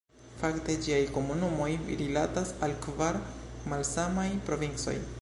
Fakte ĝiaj komunumoj rilatas al kvar malsamaj provincoj.